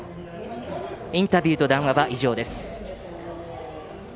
インタビューと談話は以上です。